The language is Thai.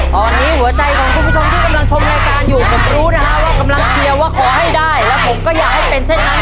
ตอนนี้หัวใจของคุณผู้ชมที่กำลังชมรายการอยู่ผมรู้นะฮะว่ากำลังเชียร์ว่าขอให้ได้แล้วผมก็อยากให้เป็นเช่นนั้น